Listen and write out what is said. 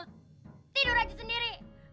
tidur aja sendiri